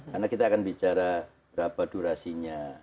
karena kita akan bicara berapa durasinya